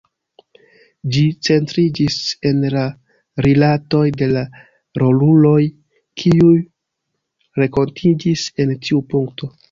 Ĝi centriĝis en la rilatoj de la roluloj, kiuj renkontiĝis en tiu punkto.